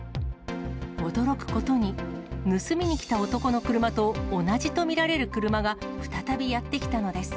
驚くことに、盗みに来た男の車と同じと見られる車が、再びやって来たのです。